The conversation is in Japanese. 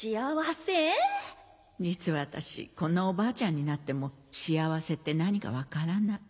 実は私こんなおばあちゃんになっても幸せって何か分からない。